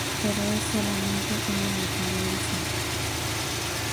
Pero es solamente una apariencia.